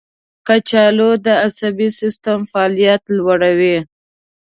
کچالو د عصبي سیستم فعالیت لوړوي.